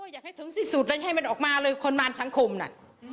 อยากให้ถึงที่สุดเลยให้มันออกมาเลยคนมารสังคมน่ะ